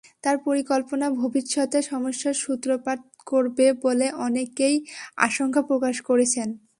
তাঁর পরিকল্পনা ভবিষ্যতে সমস্যার সূত্রপাত করবে বলে অনেকেই আশঙ্কা প্রকাশ করেছেন।